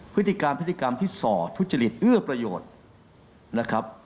พฤติการพฤติกรรมที่สอดทุจริตเอื้อประโยชน